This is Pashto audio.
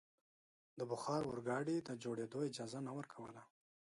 د بخار اورګاډي د جوړېدو اجازه نه ورکوله.